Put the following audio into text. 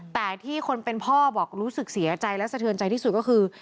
แต่ที่คนเป็นพ่อบอกรู้สึกเสียใจและสะเทือนใจที่สุดก็คือ